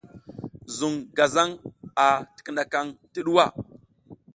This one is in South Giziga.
Zuŋ gazaŋ a tikinakaŋ ti ɗuwa.